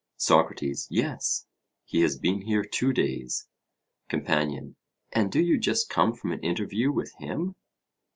SOCRATES: Yes; he has been here two days. COMPANION: And do you just come from an interview with him?